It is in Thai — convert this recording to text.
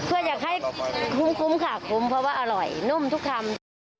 เพื่ออยากให้คุ้มค่ะคุ้มเพราะว่าอร่อยนุ่มทุกคำ